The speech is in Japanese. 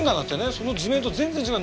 その図面と全然違う。